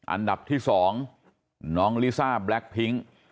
อันดับที่๒น้องลิซ่าแบล็คพิ้ง